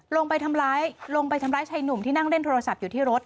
ลงไปทำร้ายลงไปทำร้ายชายหนุ่มที่นั่งเล่นโทรศัพท์อยู่ที่รถ